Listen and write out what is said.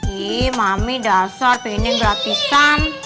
ih mami dasar pengennya gratisan